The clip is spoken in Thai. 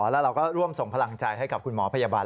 แล้วเราก็ร่วมส่งพลังใจให้กับคุณหมอพยาบาล